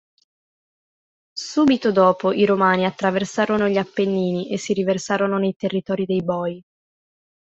Subito dopo i Romani attraversarono gli Appennini e si riversarono nei territori dei Boi.